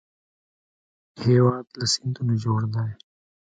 هېواد له سیندونو جوړ دی